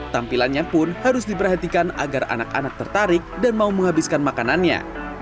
tampilannya pun harus diperhatikan agar anak anak tertarik dan mau menghabiskan makanannya